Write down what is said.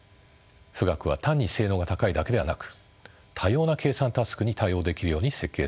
富岳は単に性能が高いだけではなく多様な計算タスクに対応できるように設計されています。